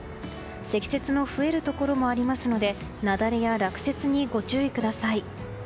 積雪の増えるところもありますので、雪崩や落雪にご注意ください。